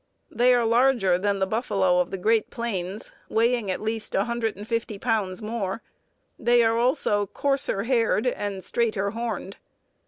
They are larger than the buffalo of the great plains, weighing at least 150 pounds more. They are also coarser haired and straighter horned.